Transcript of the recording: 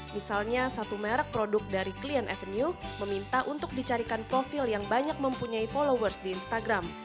misalnya satu merek produk dari klien avenue meminta untuk dicarikan profil yang banyak mempunyai followers di instagram